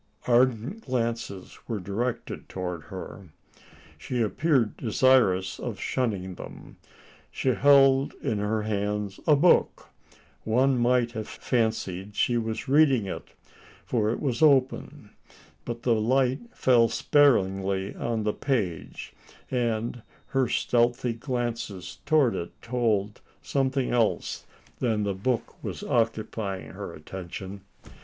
Ardent glances were directed towards her. She appeared desirous of shunning them. She held in her hands a book. One might have fancied she was reading it: for it was open. But the light fell sparingly on the page; and her stealthy glances towards it told, something else than the book was occupying her attention.